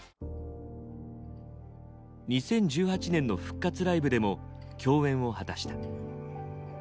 ２０１８年の復活ライブでも共演を果たした。